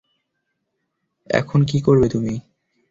এখন কী করবে তুমি?